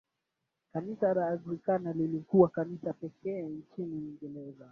kanisa la anglikana lilikuwa kanisa pekee nchini uingereza